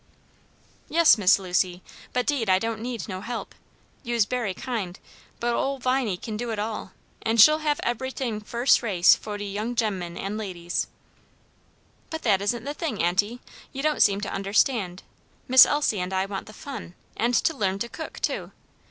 "Yes, Miss Lucy; but 'deed I don't need no help. You's berry kind, but ole Viney kin do it all, an' she'll have eberything fus' rate fo' de young gemmen an' ladies." "But that isn't the thing, auntie; you don't seem to understand. Miss Elsie and I want the fun, and to learn to cook, too.